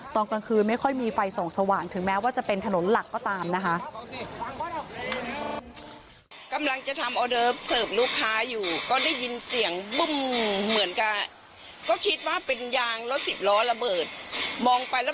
ตอนกลางคืนไม่ค่อยมีไฟส่องสว่างถึงแม้ว่าจะเป็นถนนหลักก็ตามนะคะ